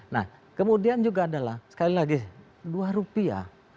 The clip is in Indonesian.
nah kemudian juga adalah sekali lagi dua rupiah